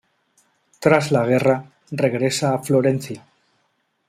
Tras la guerra, regresa a Florencia.